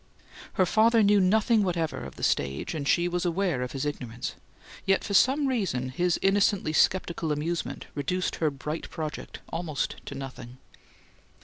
Her father knew nothing whatever of the stage, and she was aware of his ignorance, yet for some reason his innocently skeptical amusement reduced her bright project almost to nothing.